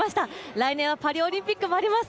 来年はパリオリンピックもあります。